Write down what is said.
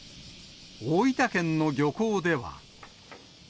大分県の漁港では。